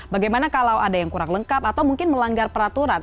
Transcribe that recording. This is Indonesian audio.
bagaimana kalau ada yang kurang lengkap atau mungkin melanggar peraturan